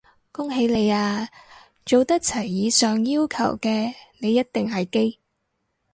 恭喜你啊，做得齊以上要求嘅你一定係基！